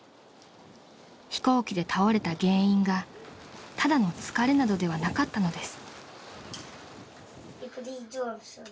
［飛行機で倒れた原因がただの疲れなどではなかったのです］